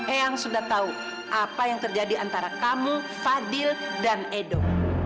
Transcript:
eyang sudah tahu apa yang terjadi antara kamu fadil dan edo